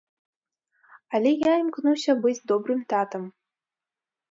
Але я імкнуся быць добрым татам.